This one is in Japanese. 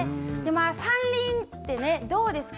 山林ってどうですか